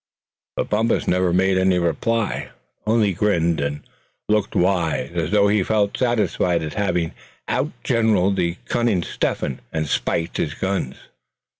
But Bumpus never made any reply, only grinned, and looked wise, as though he felt satisfied at having outgeneraled the cunning Step hen, and spiked his guns.